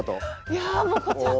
いやもうこちらこそ。